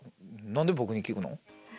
何で僕に聞くの？